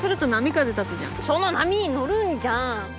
その波に乗るんじゃん。